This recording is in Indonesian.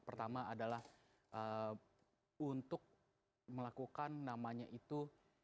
pertama adalah untuk melakukan namanya itu